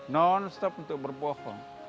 nonstop untuk berbohong